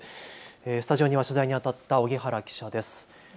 スタジオには取材にあたった荻原記者です。